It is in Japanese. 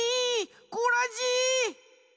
コラジ！